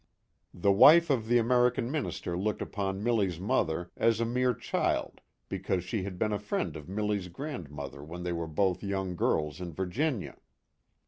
The wife of the American Minister looked "MISSMILLY." 109 upon Milly's mother as a mere child because she had been a friend of Milly's grandmother when they were both young girls in Virginia.